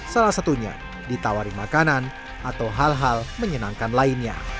salah satunya ditawari makanan atau hal hal menyenangkan lainnya